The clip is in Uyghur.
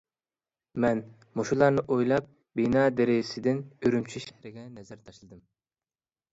مەن مۇشۇلارنى ئويلاپ بىنا دېرىزىسىدىن ئۈرۈمچى شەھىرىگە نەزەر تاشلىدىم.